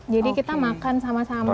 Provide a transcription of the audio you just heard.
jadi kita makan sama sama